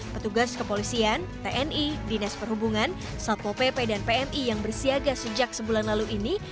petugas kepolisian tni dinas perhubungan satpol pp dan pmi yang bersiaga sejak sebulan lalu ini